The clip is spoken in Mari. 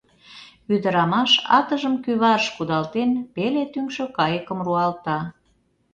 Ӱдырамаш, атыжым кӱварыш кудалтен, пеле тӱҥшӧ кайыкым руалта.